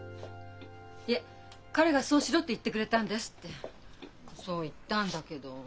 いえ彼がそうしろって言ってくれたんです」ってそう言ったんだけど。